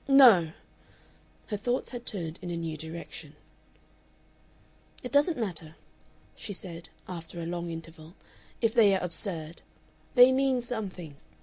"No!" Her thoughts had turned in a new direction. "It doesn't matter," she said, after a long interval, "if they are absurd. They mean something.